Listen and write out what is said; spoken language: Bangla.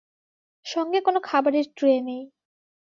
সঙ্গে কোনো খাবারের ট্রে নেই।